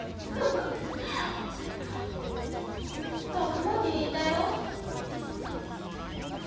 カマキリいたよ。